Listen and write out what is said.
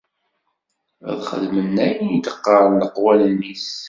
Ad xeddmen ayen i d-qqaren leqwanen-is.